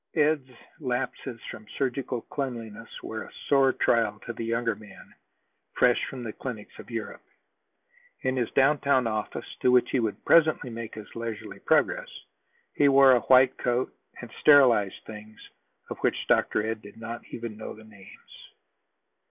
Ed's lapses from surgical cleanliness were a sore trial to the younger man, fresh from the clinics of Europe. In his downtown office, to which he would presently make his leisurely progress, he wore a white coat, and sterilized things of which Dr. Ed did not even know the names.